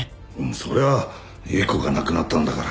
そりゃあ雪子が亡くなったんだから。